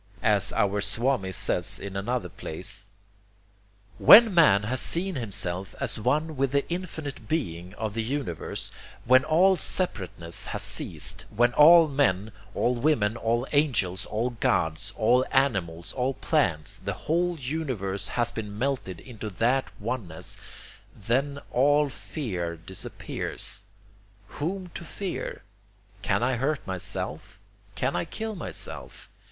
As our Swami says in another place: "When man has seen himself as one with the infinite Being of the universe, when all separateness has ceased, when all men, all women, all angels, all gods, all animals, all plants, the whole universe has been melted into that oneness, then all fear disappears. Whom to fear? Can I hurt myself? Can I kill myself?